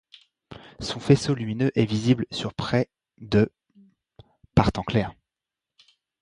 Son faisceau lumineux est visible sur près de par temps clair.